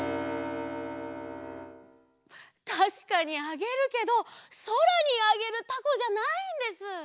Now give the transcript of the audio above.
たしかにあげるけどそらにあげるたこじゃないんです。